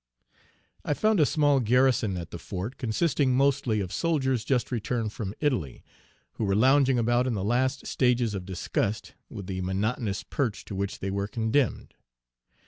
I found a small garrison at the fort, consisting mostly of soldiers just returned from Italy, who were lounging about in the last stages of disgust with the monotonous perch to which they were condemned.